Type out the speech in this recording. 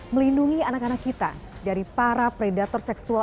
melindungi anak anak kita dari para predator seksual